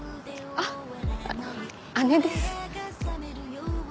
あ姉です。